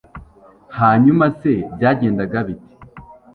hanyuma se byagendaga bite